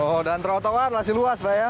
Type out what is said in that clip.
oh dan trotoar masih luas pak ya